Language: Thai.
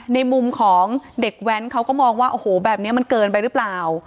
ในมุมของเด็กแว้นเขาก็มองว่าโอ้โหแบบนี้มันเกินไปหรือเปล่า